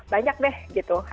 banyak deh gitu